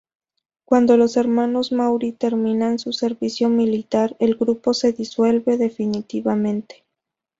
Cuando los hermanos Mauri terminan su servicio militar, el grupo se disuelve definitivamente.